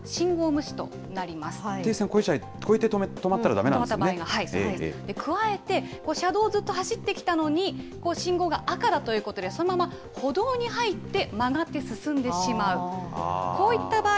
停止線越えて、くわえて車道をずっと走ってきたのに、信号が赤だということで、そのまま歩道に入って曲がって進んでしまう。